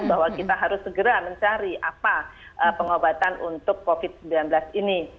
bahwa kita harus segera mencari apa pengobatan untuk covid sembilan belas ini